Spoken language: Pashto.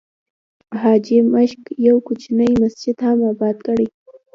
حاجي ماشک یو کوچنی مسجد هم آباد کړی.